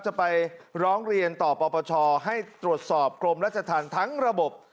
จะไปร้องเรียนต่อปปชให้ตรวจสอบกรมราชธรรมทั้งระบบ